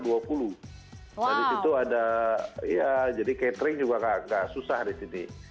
dan di situ ada ya jadi catering juga enggak susah di sini